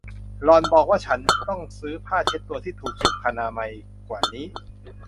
หล่อนบอกว่าฉันต้องซื้อผ้าเช็ดตัวที่ถูกสุขอนามัยกว่านี้